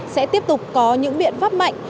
sẽ tiếp tục có những biện pháp mạnh